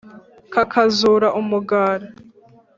Kakazura umugara,